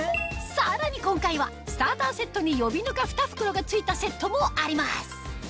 さらに今回はスターターセットに予備ぬかふた袋が付いたセットもあります